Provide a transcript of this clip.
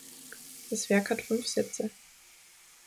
Das Werk hat fünf Sätze.